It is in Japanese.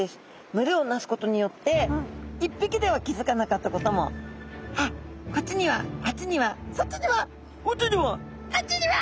群れをなすことによって１ぴきでは気づかなかったこともあっこっちにはあっちにはそっちにはこっちにはあっちには。